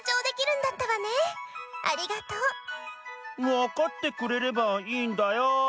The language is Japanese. わかってくれればいいんだよ。